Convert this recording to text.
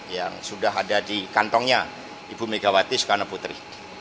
yang sudah ada di kantongnya ibu megawati soekarno putri